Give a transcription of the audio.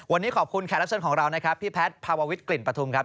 วันนี้ขอบคุณแขกรับเชิญของเรานะครับพี่แพทย์ภาววิทกลิ่นปฐุมครับ